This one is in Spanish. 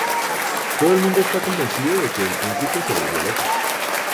Todo el mundo está convencido de que el príncipe se volvió loco.